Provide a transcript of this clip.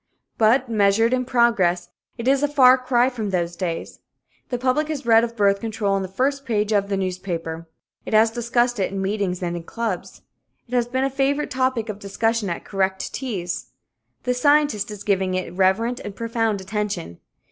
But, measured in progress, it is a far cry from those days. The public has read of birth control on the first page of its newspapers. It has discussed it in meetings and in clubs. It has been a favorite topic of discussion at correct teas. The scientist is giving it reverent and profound attention.